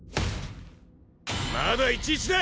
まだ１−１だ！